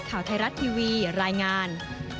ข่าวไทยรัฐทีวีรายงาน